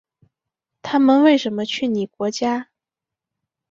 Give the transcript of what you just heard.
他们为什么去你国家？